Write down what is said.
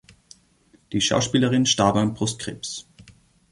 Die Schauspielerin starb an Brustkrebs.